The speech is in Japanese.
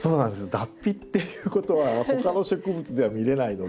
脱皮っていうことは他の植物では見れないので。